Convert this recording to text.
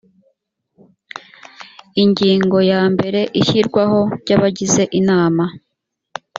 ingingo ya mbere ishyirwaho ry abagize inama